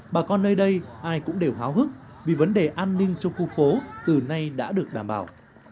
bà con nơi đây ai cũng đều háo hức vì vấn đề an ninh trong khu phố từ nay đã được đảm bảo